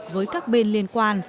với các bên liên quan